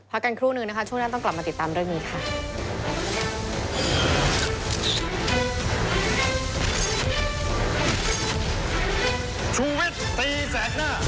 กันครู่นึงนะคะช่วงหน้าต้องกลับมาติดตามเรื่องนี้ค่ะ